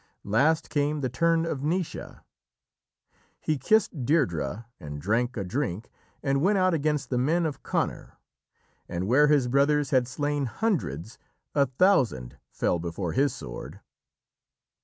Last came the turn of Naoise. He kissed Deirdrê, and drank a drink, and went out against the men of Conor, and where his brothers had slain hundreds, a thousand fell before his sword.